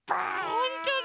ほんとだ！